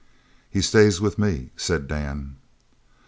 "He stays with me," said Dan.